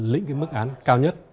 lĩnh cái mức án cao nhất